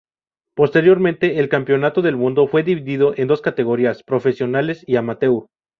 Posteriormente el campeonato del mundo fue dividido en dos categorías: profesionales y amateur.